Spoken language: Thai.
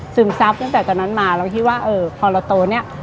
ซึมซับตอนนั้นมาเราที่คิดว่าเออพอเราโตเนี่ย